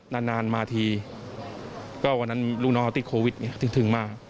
นานนานมาทีก็วันนั้นลูกน้องติดโควิดถึงมา